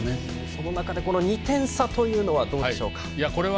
その中で２点差というのはどうでしょうか？